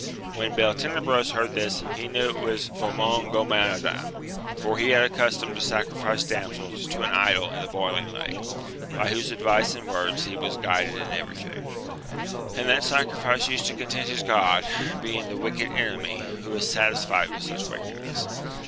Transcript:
When Beltenebros heard this, he knew it was Famongomadan, for he had a custom to sacrifice damsels to an idol in the Boiling Lake, by whose advice and words he was guided in everything, and that sacrifice used to content his god, being the Wicked Enemy, who is satisfied with such wickedness.